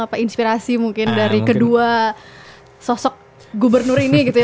apa inspirasi mungkin dari kedua sosok gubernur ini gitu ya